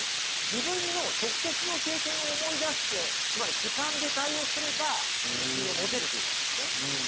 自分の直接の経験を思い出してつまり主観で対応すれば自信を持てるということですね。